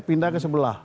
pindah ke sebelah